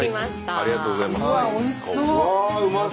ありがとうございます！